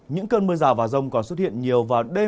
những cơn mưa rào và rông còn xuất hiện nhiều